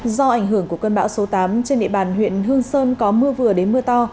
do ảnh hưởng của cơn bão số tám trên địa bàn huyện hương sơn có mưa vừa đến mưa to